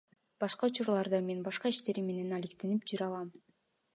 Башка учурларда мен башка иштерим менен алектенип жүрө алам.